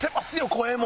声も。